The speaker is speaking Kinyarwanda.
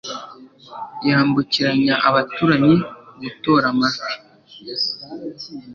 yambukiranya abaturanyi gutora amajwi